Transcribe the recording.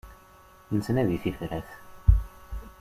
Nettnadi tifrat.